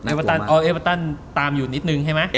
เอเวอตันตามอยู่นิดนึงใช่ไหม